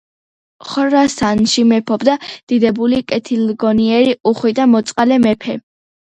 ხორასანში მეფობდა დიდებული, კეთილგონიერი, უხვი და მოწყალე მეფე.